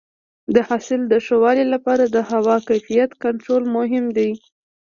د حاصل د ښه والي لپاره د هوا کیفیت کنټرول مهم دی.